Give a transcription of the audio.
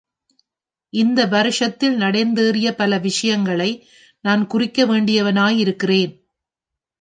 இவ்வருஷத்தில் நடந்தேறிய பல விஷயங்களை நான் குறிக்க வேண்டியவனாயிருக்கிறேன்.